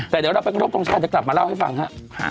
แต่เดี๋ยวเราไปกระทบทรงชาญกลับมาเล่าให้ฟังค่ะ